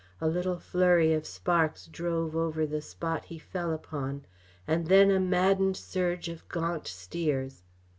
A little flurry of sparks drove over the spot he fell upon, and then a maddened surge of gaunt steers.